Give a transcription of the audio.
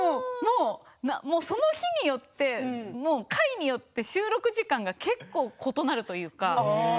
その日によって回によって収録時間が結構、異なるというか。